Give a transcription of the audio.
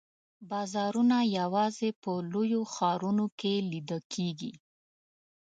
بازارونه یوازي په لویو ښارونو کې لیده کیږي.